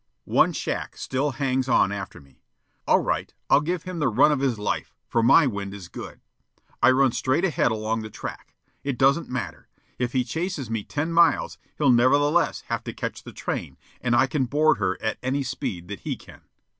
One shack still hangs on after me. All right, I'll give him the run of his life, for my wind is good. I run straight ahead along the track. It doesn't matter. If he chases me ten miles, he'll nevertheless have to catch the train, and I can board her at any speed that he can.